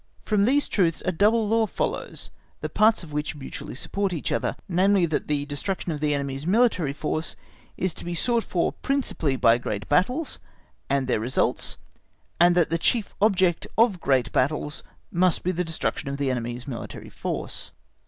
From these truths a double law follows, the parts of which mutually support each other; namely, that the destruction of the enemy's military force is to be sought for principally by great battles, and their results; and that the chief object of great battles must be the destruction of the enemy's military force.